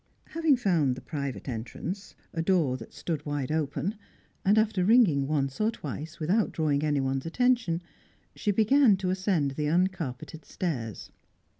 Having found the private entrance a door that stood wide open and after ringing once or twice without drawing anyone's attention, she began to ascend the uncarpeted stairs.